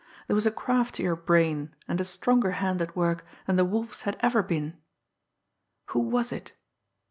There was a craftier brain and a stronger hand at work than the Wolf's had ever been! Who was it?